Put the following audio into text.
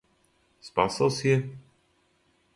Спасао си је?